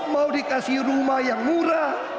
mau dikasih rumah yang murah